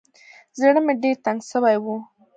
زړه مې ډېر تنګ سوى و.